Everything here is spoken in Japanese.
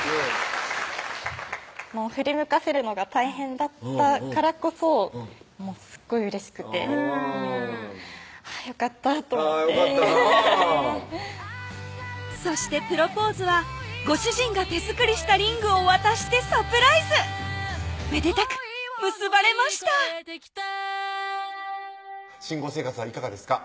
振り向かせるのが大変だったからこそすっごいうれしくてあぁよかったと思ってよかったなぁそしてプロポーズはご主人が手作りしたリングを渡してサプライズめでたく結ばれました新婚生活はいかがですか？